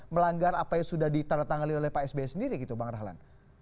melanggar apa yang sudah ditandatangani oleh pak sby sendiri gitu bang rahlan